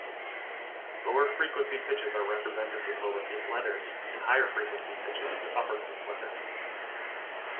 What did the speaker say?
Lower-frequency pitches are represented with lowercase letters and higher-frequency pitches with uppercase letters.